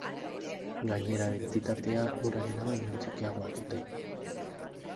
Gainera, dentsitatea urarena baino txikiagoa dute.